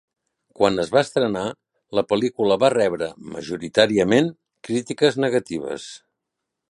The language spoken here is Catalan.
Quan es va estrenar, la pel·lícula va rebre, majoritàriament, crítiques negatives.